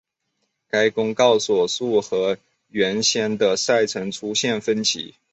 该公告所述和原先的赛程出现分歧。